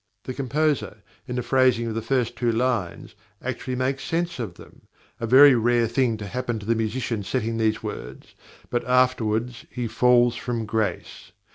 The composer, in the phrasing of the first two lines, actually makes sense of them a very rare thing to happen to the musician setting these words; but afterwards he falls from grace.